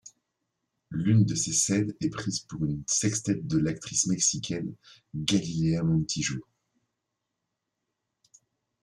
L’une de ses scènes est prise pour une sex-tape de l’actrice mexicaine Galilea Montijo.